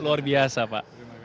luar biasa pak